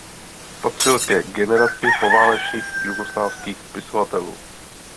Patřil ke generaci poválečných jugoslávských spisovatelů.